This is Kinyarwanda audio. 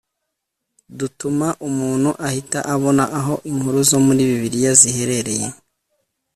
dutuma umuntu ahita abona aho inkuru zo muri bibiliya ziherereye